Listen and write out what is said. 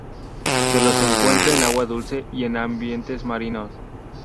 Se los encuentra en agua dulce y en ambientes marinos.